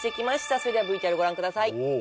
それではＶＴＲご覧ください